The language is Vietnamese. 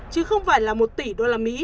chứ không phải là một tỷ đô la mỹ